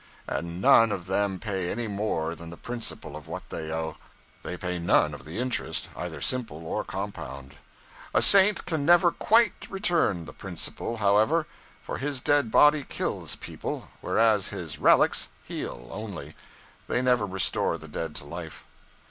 And none of them pay any more than the principal of what they owe they pay none of the interest either simple or compound. A Saint can never _quite _return the principal, however; for his dead body _kills _people, whereas his relics _heal _only they never restore the dead to life.